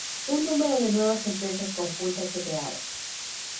Un número de nuevas empresas conjuntas se crearon.